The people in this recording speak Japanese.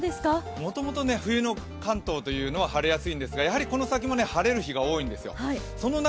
もともと冬の関東は晴れやすいんですけれども、やはりこの先も晴れる日が多いんですよ。